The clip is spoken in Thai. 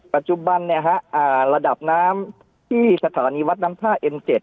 ปัจจุบันเนี่ยฮะอ่าระดับน้ำที่สถานีวัดน้ำผ้าเอ็มเจ็ด